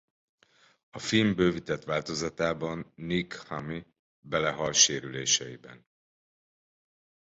A film bővített változatában Nick Hume belehal sérüléseibe.